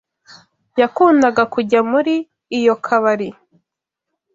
Yakundaga kujya muri iyo kabari.